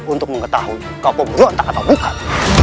untuk mengetahui kau pemberontak atau bukan